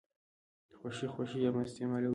خوشې خوشې يې مه استيمالوئ.